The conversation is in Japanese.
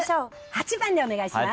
８番でお願いします。